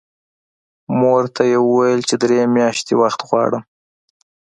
مور ته یې وویل چې درې میاشتې وخت غواړم